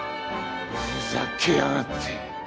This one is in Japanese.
ふざけやがって。